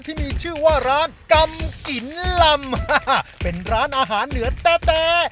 ที่มีชื่อว่าร้านกำกินลำเป็นร้านอาหารเหนือแต่แต่